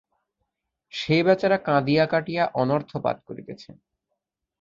সে বেচারা কাঁদিয়া কাটিয়া অনর্থপাত করিতেছে।